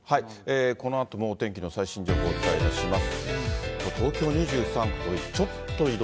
このあとのお天気の最新情報、お伝えいたします。